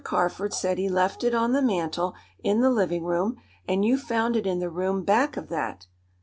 Carford said he left it on the mantel in the living room, and you found it in the room back of that.